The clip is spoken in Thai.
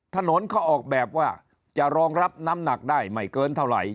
ถนนเขาออกแบบว่าจะรองรับน้ำหนักได้ไม่เกินเท่าไหร่